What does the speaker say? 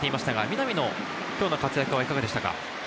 南の活躍はいかがでしたか？